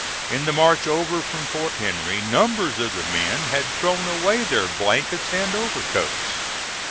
In the march over from Fort Henry numbers of the men had thrown away their blankets and overcoats.